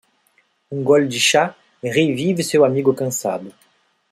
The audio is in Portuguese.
Um gole de chá revive seu amigo cansado.